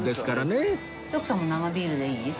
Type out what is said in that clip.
徳さんも生ビールでいい？